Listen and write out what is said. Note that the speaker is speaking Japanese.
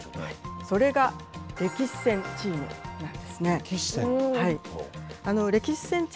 それが歴史戦チームなんです歴史戦？